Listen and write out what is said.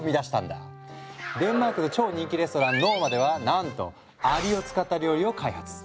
デンマークの超人気レストラン「ノーマ」ではなんとアリを使った料理を開発。